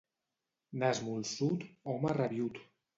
Nas molsut, home rabiüt.